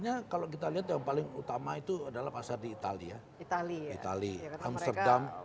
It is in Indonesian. ya kata mereka peminum kopi disitu